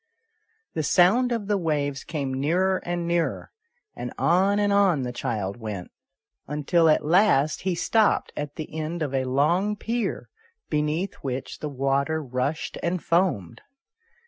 The sound of the waves came nearer and nearer, and on and on the child went, until at last he stopped at the end of a long pier, beneath which the water rushed and foamed.